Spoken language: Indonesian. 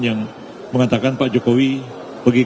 yang mengatakan pak jokowi begitu